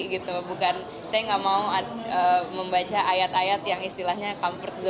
saya tidak mau membaca ayat ayat yang istilahnya comfort zone saya